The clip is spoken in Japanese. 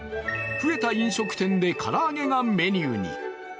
増えた飲食店で唐揚げがメニューに。